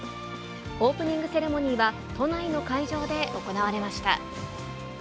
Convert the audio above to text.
オープニングセレモニーは、都内の会場で行われました。